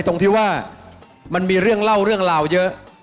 ตรงที่ว่ามันมีเรื่องเล่าเรื่องราวเยอะ